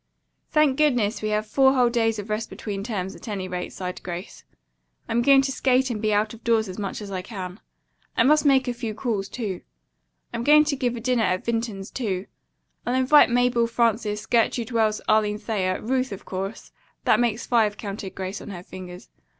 "Thank goodness, we have four whole days of rest between terms at any rate," sighed Grace. "I'm going to skate and be out of doors as much as I can. I must make a few calls, too. I'm going to give a dinner at Vinton's, too. I'll invite Mabel, Frances, Gertrude Wells, Arline Thayer, Ruth, of course. That makes five," counted Grace on her fingers.